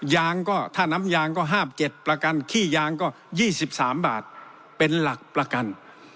ยางก็ถ้าน้ำยางก็ห้าบเจ็ดประกันขี้ยางก็ยี่สิบสามบาทเป็นหลักประกัน